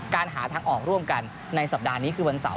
การหาทางออกร่วมกันในสำหรับสองที่สาว